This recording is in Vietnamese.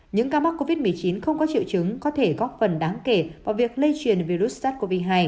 những ca mắc covid một mươi chín không có triệu chứng có thể góp phần đáng kể vào việc lây truyền virus sars cov hai